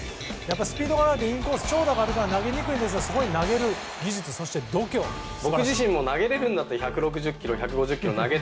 スピードがあるとインコース、長打があると投げにくいですがそこに投げるというそして度胸、素晴らしい。